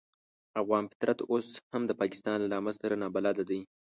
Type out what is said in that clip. افغان فطرت اوس هم د پاکستان له نامه سره نابلده دی.